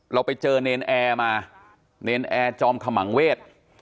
เราไปเจอเนรนแอร์มาเนรนแอร์จอมขมังเวท